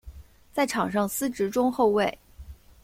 在场上司职中后卫。